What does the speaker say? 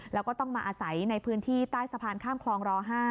แล้วก็ต้องมาอาศัยในพื้นที่ใต้สะพานข้ามคลองร๕